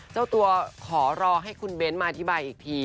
เจ้าตัวขอรอให้คุณเบ้นมาอธิบายอีกที